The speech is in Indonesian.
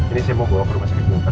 ini saya mau bawa ke rumah sakit ultra